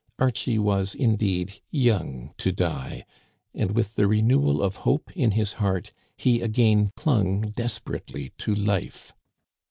Archie was, indeed, young to die ; and with the renewal of hope in his heart, he again clung desperately to life.